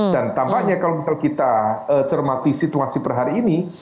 dan tampaknya kalau misalnya kita cermati situasi per hari ini